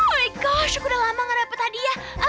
oh my gosh udah lama nggak dapet hadiah